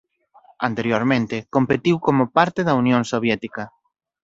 Anteriormente competiu como parte da Unión Soviética.